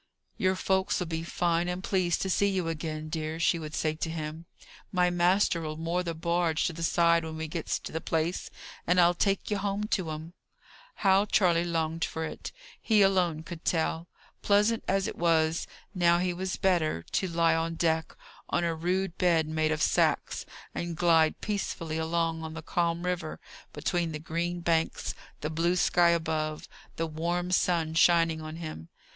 "Your folks'll be fine and pleased to see you again, dear," she would say to him. "My master'll moor the barge to the side when we gets to the place, and I'll take ye home to 'um." How Charley longed for it, he alone could tell; pleasant as it was, now he was better, to lie on deck, on a rude bed made of sacks, and glide peacefully along on the calm river, between the green banks, the blue sky above, the warm sun shining on him.